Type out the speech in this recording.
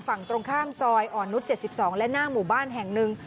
ฝั่งตรงข้ามซอยอ่อนนุษย๗๒และหน้าหมู่บ้านแห่งหนึ่ง